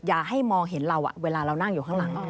อย่าให้มองเห็นเราเวลาเรานั่งอยู่ข้างหลัง